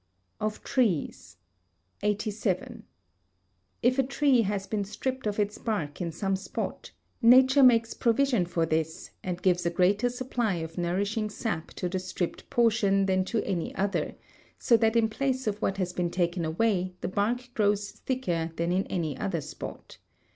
[Sidenote: Of Trees] 87. If a tree has been stripped of its bark in some spot, nature makes provision for this and gives a greater supply of nourishing sap to the stripped portion than to any other, so that in place of what has been taken away the bark grows thicker than in any other spot.